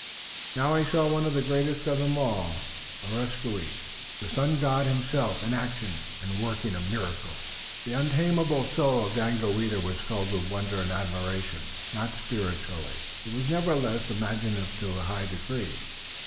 Now he saw one of the greatest of them all, Areskoui, the Sun God himself, in action and working a miracle. The untamable soul of Daganoweda was filled with wonder and admiration. Not spiritual, he was nevertheless imaginative to a high degree.